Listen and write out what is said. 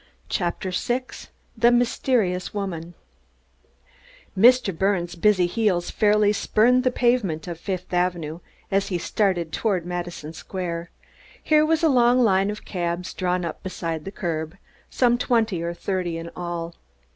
CHAPTER VI THE MYSTERIOUS WOMAN Mr. Birnes' busy heels fairly spurned the pavements of Fifth Avenue as he started toward Madison Square. Here was a long line of cabs drawn up beside the curb, some twenty or thirty in all.